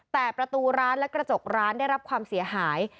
แต่ประตูร้านและกระจกร้านได้รับความเสียหาย